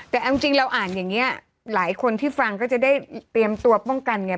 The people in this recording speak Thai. แต่เอาจริงเราอ่านอย่างนี้หลายคนที่ฟังก็จะได้เตรียมตัวป้องกันไง